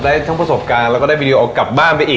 ได้ทั้งประสบการณ์แล้วก็ได้วีดีโอกลับบ้านไปอีก